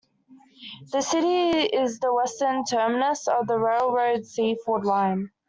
The city is the western terminus of the railroad's Seaford Line.